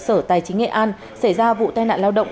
sở tài chính nghệ an xảy ra vụ tai nạn lao động